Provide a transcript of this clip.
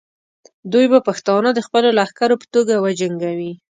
دوی به پښتانه د خپلو لښکرو په توګه وجنګوي.